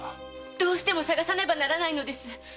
どうしても捜さねばならないのです！